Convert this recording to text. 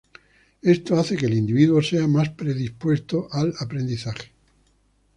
Esto hace que el individuo sea más predispuesto al aprendizaje.